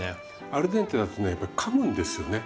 アルデンテだとねやっぱりかむんですよね。